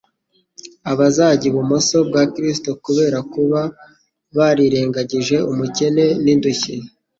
Abazajya ibumoso bwa Kristo kubera kuba barirengagije umukene n'indushyi